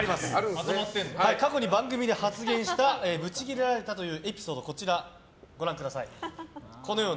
過去に番組で発言したブチギレられたというエピソード、ご覧ください。